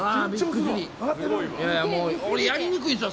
俺、やりにくいですよ